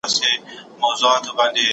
په پښتو ژبه کي ډېر ناولونه سته.